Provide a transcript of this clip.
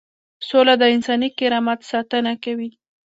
سوله د انساني کرامت ساتنه کوي.